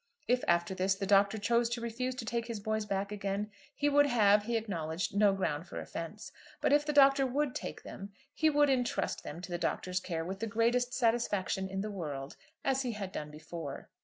If after this the Doctor chose to refuse to take his boys back again, he would have, he acknowledged, no ground for offence. But if the Doctor would take them, he would intrust them to the Doctor's care with the greatest satisfaction in the world, as he had done before.